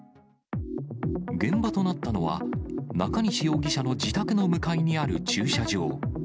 現場となったのは、中西容疑者の自宅の向かいにある駐車場。